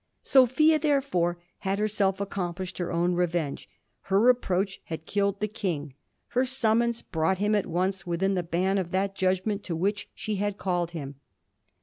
Sophia, therefore, had herself accomplished her own revenge ; her reproach had killed the King ; her summons brought him at once within the ban of that judgment to which she had called him.